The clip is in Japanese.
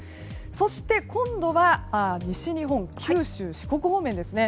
そして、今度は西日本の九州・四国方面です。